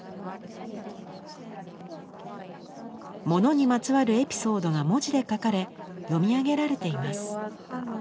物にまつわるエピソードが文字で書かれ読み上げられています。